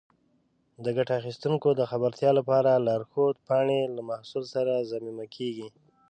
د ګټه اخیستونکو د خبرتیا لپاره لارښود پاڼې له محصول سره ضمیمه کېږي.